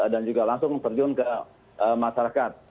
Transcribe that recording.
dan juga langsung terjun ke masyarakat